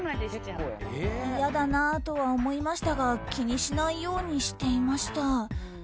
いやだなとは思いましたが気にしないようにしていました。